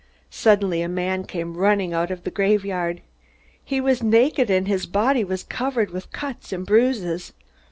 Suddenly a man came running out of the graveyard. He was naked, and his body was covered with cuts and bruises.